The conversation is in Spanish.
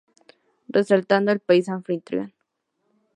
Resaltado el país anfitrión.